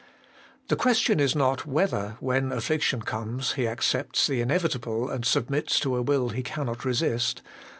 The question is not, whether, when affliction comes, he accepts the inevitable and submits to a will he cannot resist.